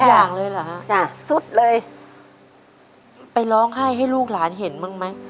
หมดทุกอย่างเลยเหรอฮะใช่สุดเลยไปร้องไห้ให้ลูกหลานเห็นมั้งไหม